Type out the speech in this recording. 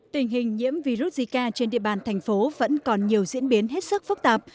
tình hình nhiễm virus zika trên địa bàn thành phố vẫn còn nhiều diễn biến hết sức phức tạp